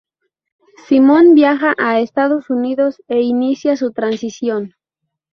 Simón viaja a Estados Unidos e inicia su transición.